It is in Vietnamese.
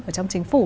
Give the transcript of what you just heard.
ở trong chính phủ